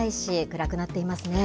暗くなっていますね。